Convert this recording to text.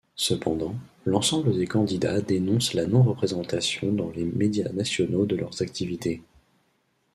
Cependant, l'ensemble des candidats dénoncent la non-représentation dans les médias nationaux de leurs activités.